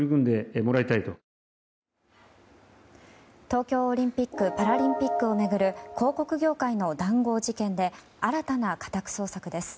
東京オリンピック・パラリンピックを巡る広告業界の談合事件で新たな家宅捜索です。